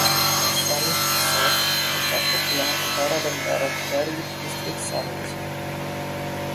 Saanich South mencakup belahan utara dan barat dari Distrik Saanich.